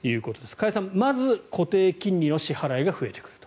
加谷さんまず固定金利の支払いが増えてくると。